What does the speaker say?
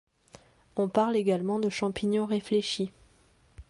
On parle également de champignon réfléchi.